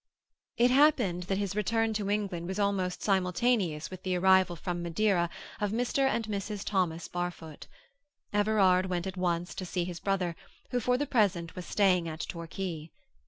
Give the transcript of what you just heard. It happened that his return to England was almost simultaneous with the arrival from Madeira of Mr. and Mrs. Thomas Barfoot. Everard at once went to see his brother, who for the present was staying at Torquay.